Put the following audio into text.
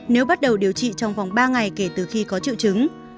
nếu bắt đầu điều trị trong vòng ba ngày kể từ khi có triệu chứng